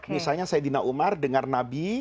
misalnya saidina umar dengar nabi